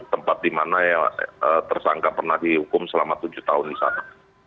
tempat di mana tersangka pernah dihukum selama tujuh tahun di sana